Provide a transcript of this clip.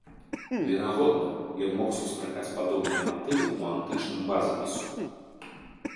Верагодна, ён мог сустракаць падобныя матывы ў антычным вазапісу.